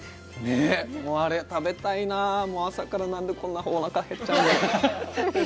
あれ、食べたいな、朝からなんで、こんなにおなかへっちゃうんだろう。